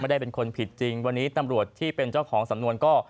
ได้เป็นคนผิดจริงวันนี้ตำรวจที่เป็นเจ้าของสำนวนก็